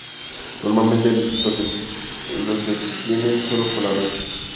Normalmente los extienden sólo por la noche.